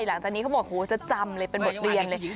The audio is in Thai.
หลังจากนี้เขาบอกโหจะจำเลยเป็นบทเรียนเลย